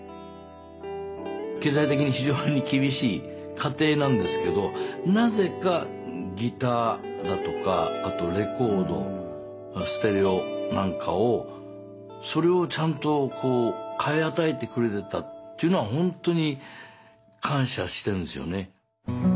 経済的に非常に厳しい家庭なんですけどなぜかギターだとかあとレコードステレオなんかをそれをちゃんと買い与えてくれてたっていうのはほんとに感謝してるんですよね。